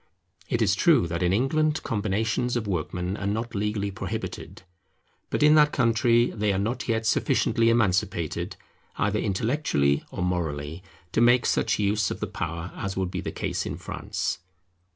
It is true that in England combinations of workmen are not legally prohibited. But in that country they are not yet sufficiently emancipated either intellectually or morally, to make such use of the power as would be the case in France.